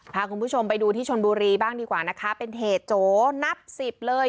พาคุณผู้ชมไปดูที่ชนบุรีบ้างดีกว่านะคะเป็นเหตุโจนับสิบเลย